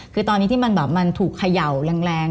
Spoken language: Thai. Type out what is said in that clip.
คือตอนนี้ที่มันแบบมันถูกเขย่าแรง